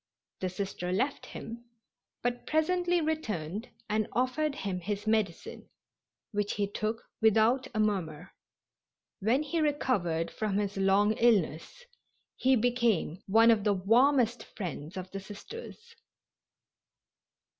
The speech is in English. The Sister left him, but presently returned and offered him his medicine, which he took without a murmur. When he recovered from his long illness he became one of the warmest friends of the Sisters.